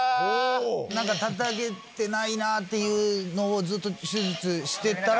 たたけてないなっていう脳をずっと手術してったら。